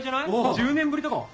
１０年ぶりとか？